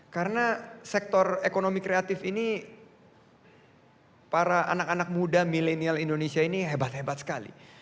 karena sektor ekonomi kreatif ini para anak anak muda milenial indonesia ini hebat hebat sekali